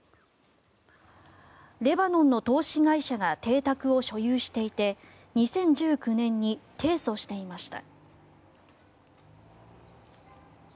レバノンの投資会社が邸宅を所有していて２０１９年に提訴していました。